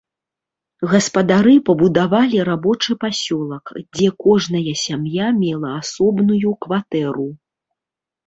Гаспадары пабудавалі рабочы пасёлак, дзе кожная сям'я мела асобную кватэру.